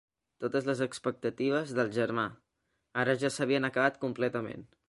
Totes les expectatives del germà, ara ja s'havien acabat completament.